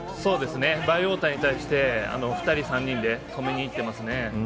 バイウォーターに対して２人、３人で止めに行っていますね。